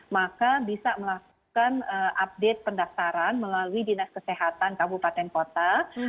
maka bisa melakukan update pendaftaran melalui dinas kesehatan kabupaten kota